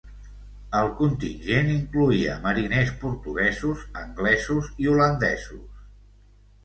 El contingent incloïa mariners portuguesos, anglesos i holandesos.